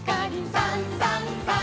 「さんさんさん」